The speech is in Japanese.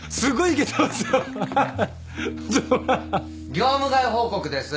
業務外報告です。